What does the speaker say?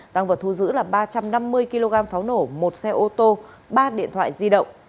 tăng vật thu giữ là ba trăm năm mươi kg pháo nổ một xe ô tô ba điện thoại di động